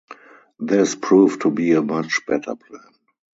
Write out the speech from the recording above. This proved to be a much better plan.